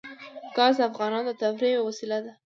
ګاز د افغانانو د تفریح یوه وسیله ده.